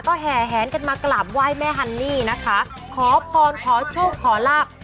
ก็แห่แหนกันมากราบไหว้แม่ฮันนี่นะคะขอพรขอโชคขอลาบ